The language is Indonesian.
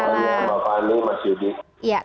mbak fani mas yudi